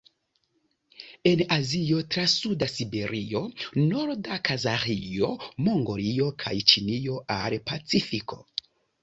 En Azio tra suda Siberio, norda Kazaĥio, Mongolio kaj Ĉinio al Pacifiko.